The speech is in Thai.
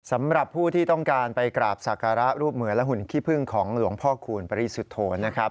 สำหรับผู้ที่ต้องการไปกราบศักระรูปเหมือนและหุ่นขี้พึ่งของหลวงพ่อคูณปริสุทธโธนะครับ